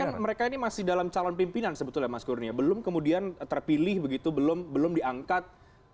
tapi kan mereka ini masih dalam calon pimpinan sebetulnya mas kurnia belum kemudian terpilih begitu belum diangkat